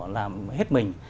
làm hết mình